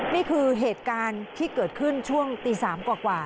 นี่คือเหตุการณ์ที่เกิดขึ้นช่วงตี๓กว่า